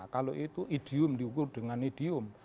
kalau itu idiom diukur dengan idiom